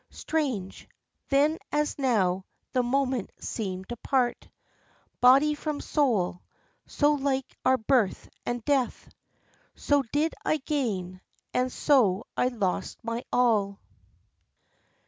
Strange then as now the moment seemed to part Body from soul, so like are birth and death; So did I gain, and so I lost my all.